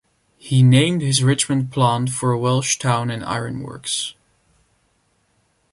He named his Richmond plant for a Welsh town and iron works.